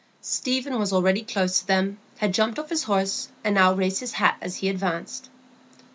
Stephen was already close to them, had jumped off his horse, and now raised his hat as he advanced.